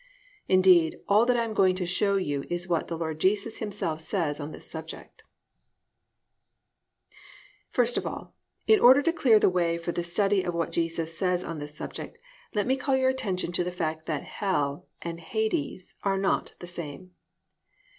Indeed, all that I am going to show you is what the Lord Jesus Himself says on this subject. I. HELL AND HADES ARE NOT THE SAME First of all, in order to clear the way for the study of what Jesus says on this subject, let me call your attention to the fact that Hell and Hades are not the same.